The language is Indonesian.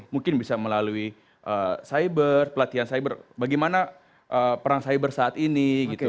mungkin bisa melalui cyber pelatihan cyber bagaimana perang cyber saat ini gitu